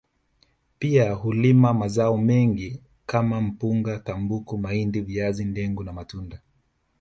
Pia hulima mazao mengine kama mpunga tumbaku mahindi viazi dengu na matunda